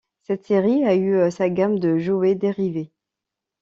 Cette série a eu sa gamme de jouets dérivés.